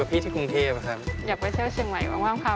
เพิ่ม